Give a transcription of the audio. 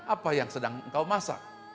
apa yang sedang engkau masak